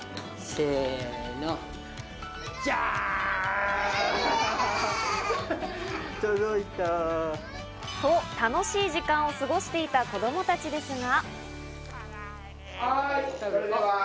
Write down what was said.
せの。と、楽しい時間を過ごしていた子供たちですが。